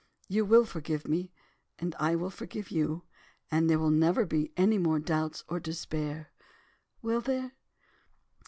You will forgive me, and I will forgive you, and there will never be any more doubts or despair, will there?"